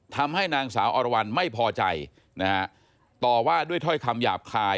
ทำให้นางสาวอรวรรณไม่พอใจนะฮะต่อว่าด้วยถ้อยคำหยาบคาย